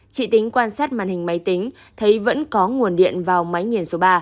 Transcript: chị tính quan sát màn hình máy tính thấy vẫn có nguồn điện vào máy nghiền số ba